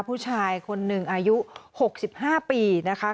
ผู้ชายคนหนึ่งอายุหกสิบห้าปีนะคะ